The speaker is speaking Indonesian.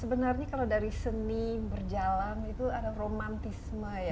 sebenarnya kalau dari seni berjalan itu ada romantisme ya